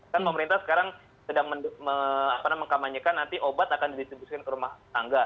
kan pemerintah sekarang sedang mengkamanyekan nanti obat akan di distribusikan ke rumah tangga